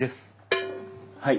はい。